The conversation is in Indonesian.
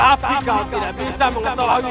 apa kau tidak bisa mengetahui